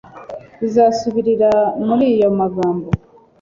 zibasubirira muri ayo magambo